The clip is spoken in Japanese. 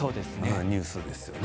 ニュースですよね。